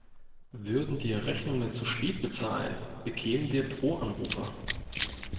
Würden wir Rechnungen zu spät bezahlen, bekämen wir Drohanrufe.